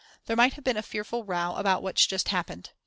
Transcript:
There might have been a fearful row about what's just happened.